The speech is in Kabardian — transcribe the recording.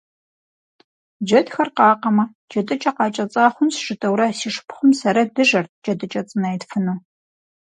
Джэдхэр къакъэмэ, «джэдыкӏэ къакӏэцӏа хъунщ» жытӏэурэ, си шыпхъум сэрэ дыжэрт джэдыкӏэ цӏынэ итфыну.